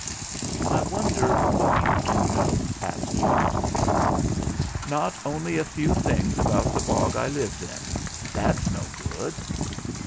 "I wonder what you do know ?" asked Unity. "Nought only a few things about the bog I lives in. That's no good."